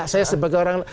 saya sebagai orang